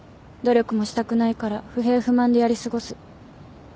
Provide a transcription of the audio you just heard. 努力もしたくないから不平不満でやり過ごす。